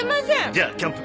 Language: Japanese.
じゃあキャンプ。